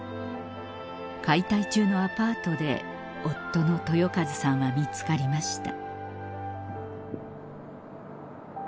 解体中のアパートで夫の豊和さんは見つかりました